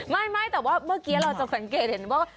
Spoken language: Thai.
ไม่แต่ว่าเมื่อกี้เราจะสังเกตเห็นว่า